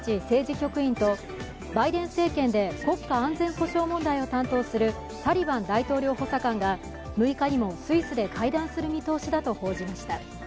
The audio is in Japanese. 局員とバイデン政権で国家安全保障問題を担当するサリバン大統領補佐官が６日にもスイスで会談する見通しだと報じました。